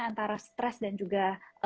antara stress dan juga